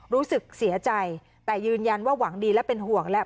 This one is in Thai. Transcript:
รู้สึกเสียใจแต่ยืนยันว่าหวังดีและเป็นห่วงและ